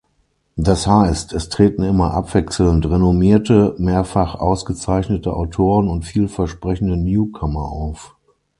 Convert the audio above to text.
Das heißt, es treten immer abwechselnd renommierte, mehrfach ausgezeichnete Autoren und vielversprechende Newcomer auf.